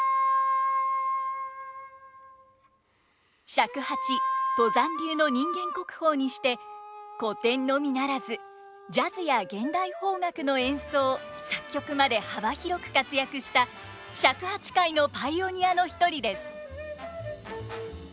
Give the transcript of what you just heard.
尺八都山流の人間国宝にして古典のみならずジャズや現代邦楽の演奏作曲まで幅広く活躍した尺八界のパイオニアの一人です。